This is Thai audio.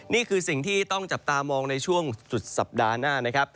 นี่คือสิ่งที่ต้องจับตามองในช่วงสุดสัปดาห์หน้านะครับ